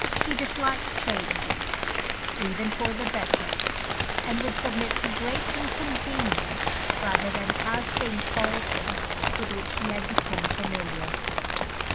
He disliked changes, even for the better, and would submit to great inconvenience rather than have things altered with which he had become familiar.